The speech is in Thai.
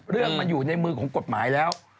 เรื่องมันอยู่ในมือของกฎหมายแล้ว